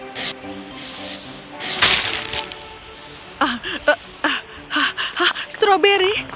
ah ah ah ah ah stroberi